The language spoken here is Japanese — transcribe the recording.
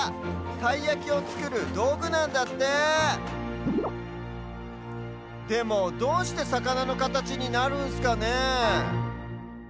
たいやきをつくるどうぐなんだってでもどうしてさかなのかたちになるんすかねえ。